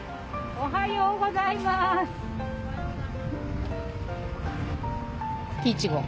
おはようございまーす！